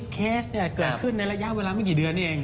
เคสเกิดขึ้นในระยะเวลาไม่กี่เดือนเอง